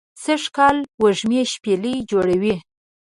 سږ کال وږمې شپیلۍ جوړوی